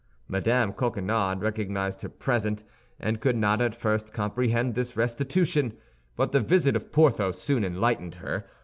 Mme. Coquenard recognized her present, and could not at first comprehend this restitution; but the visit of Porthos soon enlightened her.